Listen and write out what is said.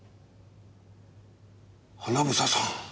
英さん。